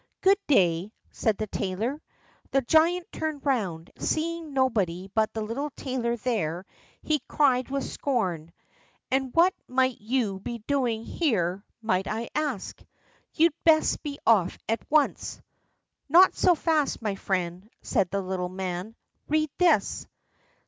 "Good day," said the tailor. The giant turned round, and seeing nobody but the little tailor there, he cried with scorn: "And what might you be doing here, might I ask? You'd best be off at once." "Not so fast, my friend," said the little man; "read this."